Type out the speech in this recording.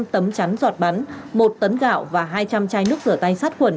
bốn trăm linh tấm chắn giọt bắn một tấn gạo và hai trăm linh chai nước rửa tay sát khuẩn